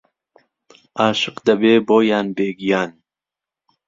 عاشق دەبێ بۆیان بێگیان